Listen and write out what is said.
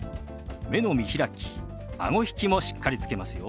目の見開きあご引きもしっかりつけますよ。